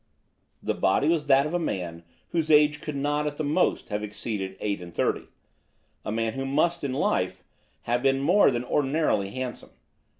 The body was that of a man whose age could not, at the most, have exceeded eight and thirty, a man who must, in life, have been more than ordinarily handsome.